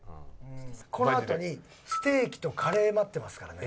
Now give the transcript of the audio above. このあとにステーキとカレー待ってますからね。